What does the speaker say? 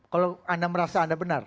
kalau anda merasa anda benar